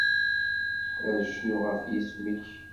Ad cnuɣ ɣef yisem-ik!